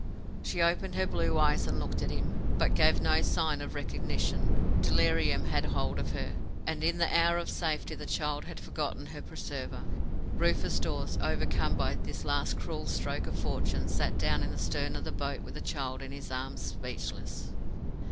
She opened her blue eyes and looked at him, but gave no sign of recognition. Delirium had hold of her, and in the hour of safety the child had forgotten her preserver. Rufus Dawes, overcome by this last cruel stroke of fortune, sat down in the stern of the boat, with the child in his arms, speechless.